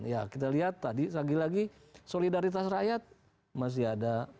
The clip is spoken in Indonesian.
ya kita lihat tadi lagi lagi solidaritas rakyat masih ada